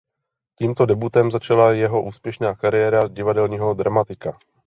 Tímto debutem začala jeho úspěšná kariéra divadelního dramatika.